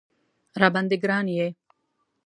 راباندې ګران یې